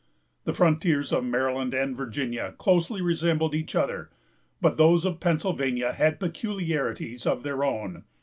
The frontiers of Maryland and Virginia closely resembled each other; but those of Pennsylvania had peculiarities of their own.